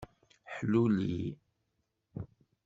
Ḥluli.